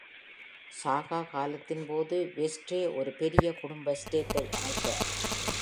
சாகா காலத்தின் போது வெஸ்ட்ரே ஒரு பெரிய குடும்ப எஸ்டேட்டை அமைத்தார்.